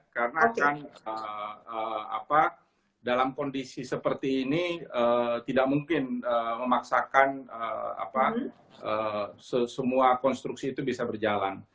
karena kan dalam kondisi seperti ini tidak mungkin memaksakan semua konstruksi itu bisa berjalan